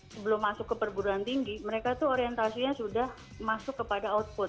sebelum masuk ke perguruan tinggi mereka itu orientasinya sudah masuk kepada output